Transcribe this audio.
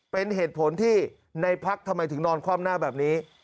เป็นเหตุผลที่ในพักทำไมถึงนอนคว่ำหน้าแบบนี้